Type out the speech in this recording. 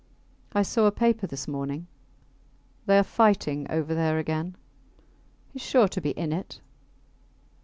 I saw a paper this morning; they are fighting over there again. Hes sure to be in it.